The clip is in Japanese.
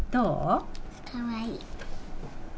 かわいい。